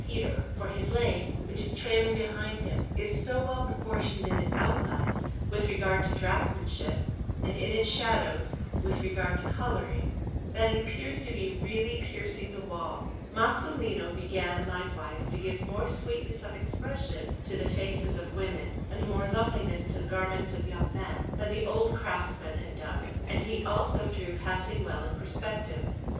Peter; for his leg, which is trailing behind him, is so well proportioned in its outlines, with regard to draughtsmanship, and in its shadows, with regard to colouring, that it appears to be really piercing the wall. Masolino began likewise to give more sweetness of expression to the faces of women, and more loveliness to the garments of young men, than the old craftsmen had done; and he also drew passing well in perspective.